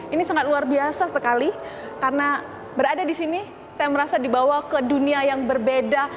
ini sangat luar biasa sekali karena berada di sini saya merasa dibawa ke dunia yang berbeda